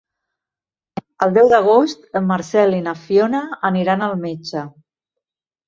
El deu d'agost en Marcel i na Fiona aniran al metge.